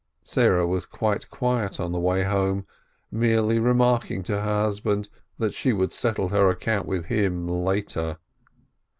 Sarah was quite quiet on the way home, merely remarking to her husband that she would settle her account with him later.